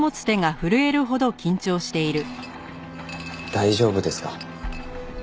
大丈夫ですか？